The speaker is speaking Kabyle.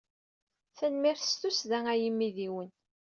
Tanemmirt s tussda a imidiwen!